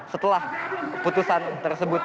setelah putusan tersebut